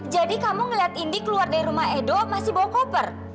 jadi kamu melihat indi keluar dari rumah edo masih bawa koper